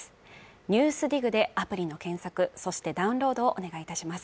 「ＮＥＷＳＤＩＧ」でアプリの検索そしてダウンロードをお願いいたします